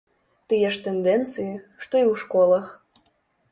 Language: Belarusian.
Тыя ж тэндэнцыі, што і ў школах.